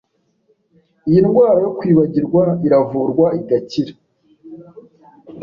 Iyi ndwara yo kwibagirwa iravurwa igakira